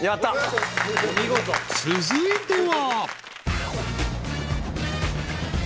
［続いては］